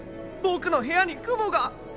僕の部屋に雲が！